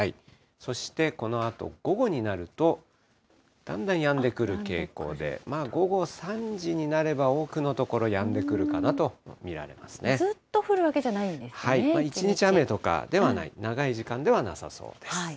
そしてこのあと午後になると、だんだんやんでくる傾向で、午後３時になれば、多くの所、ずっと降るわけじゃないんではい、一日雨とかではない、長い時間ではなさそうです。